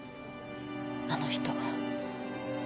あの人。